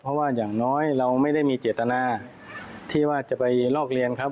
เพราะว่าอย่างน้อยเราไม่ได้มีเจตนาที่ว่าจะไปลอกเรียนครับ